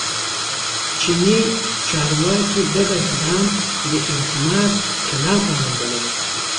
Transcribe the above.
چیني چارواکي دغه اقدام د اعتماد خلاف عمل بللی